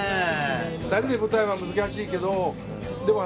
２人で舞台は難しいけどでも。